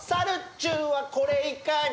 ちゅんはこれいかに？